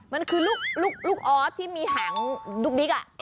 มันคือลูกออสที่มีหางดุ๊กดิ๊ก